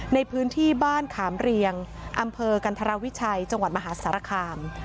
ในพื้นที่บ้านขามเรียงอำเภอกันธรวิชัยจังหวัดมหาสารคาม